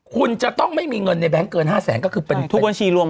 คุณจะต้องไม่มีเงินในแบงค์เกิน๕แสนก็คือเป็นทุกบัญชีรวม